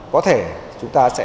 có thể chúng ta sẽ